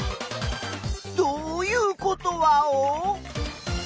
どういうことワオ？